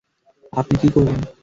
আপনি কী করবেন?